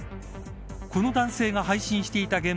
この男性が配信していた映像